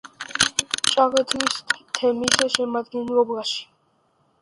ჭართლის თემის შემადგენლობაში.